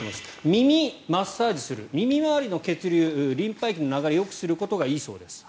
耳、マッサージする耳周りの血流、リンパ液の流れをよくすることがいいそうです。